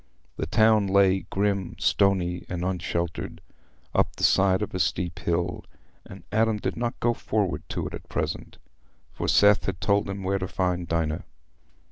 The town lay, grim, stony, and unsheltered, up the side of a steep hill, and Adam did not go forward to it at present, for Seth had told him where to find Dinah.